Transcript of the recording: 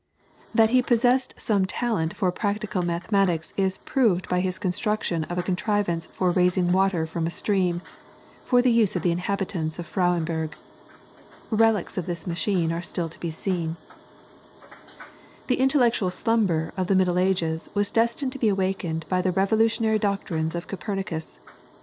That he possessed some talent for practical mechanics is proved by his construction of a contrivance for raising water from a stream, for the use of the inhabitants of Frauenburg. Relics of this machine are still to be seen. [PLATE: COPERNICUS.] The intellectual slumber of the Middle Ages was destined to be awakened by the revolutionary doctrines of Copernicus.